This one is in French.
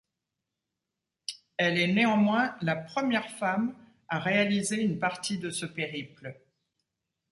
Elle est néanmoins la première femme à réaliser une partie de ce périple.